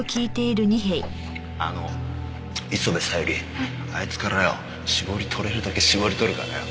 あの磯部小百合あいつからよ搾り取れるだけ搾り取るからよ。